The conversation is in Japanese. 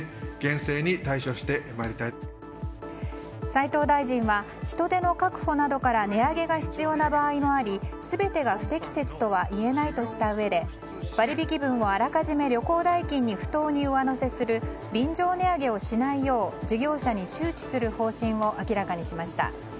斉藤大臣は人手の確保などから値上げが必要な場合もあり全てが不適切とは言えないとしたうえで割引分をあらかじめ旅行代金に不当に上乗せする便乗値上げをしないよう事業者に周知する方針を明らかにしました。